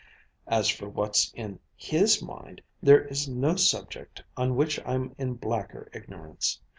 As for what's in his mind, there is no subject on which I'm in blacker ignorance.